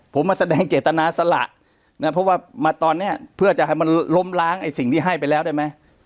ผมมาแสดงเจตนาสละนะเพราะว่ามาตอนเนี้ยเพื่อจะให้มันล้มล้างไอ้สิ่งที่ให้ไปแล้วได้ไหม